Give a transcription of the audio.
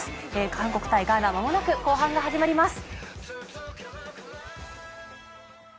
韓国対ガーナまもなく後半が始まります。